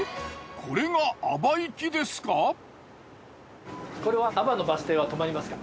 これが阿波行きですか？